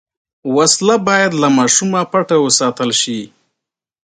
وسله باید له ماشومه پټه وساتل شي